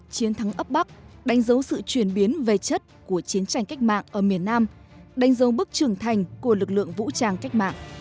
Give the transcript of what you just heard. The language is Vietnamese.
chiến thắng ấp bắc đánh dấu sự chuyển biến về chất của chiến tranh cách mạng ở miền nam đánh dấu bước trưởng thành của lực lượng vũ trang cách mạng